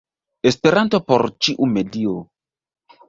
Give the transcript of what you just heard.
Esperanto por ĉiu medio!